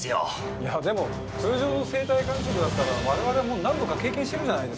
いやでも通常の生体肝移植だったら我々もう何度か経験してるじゃないですか。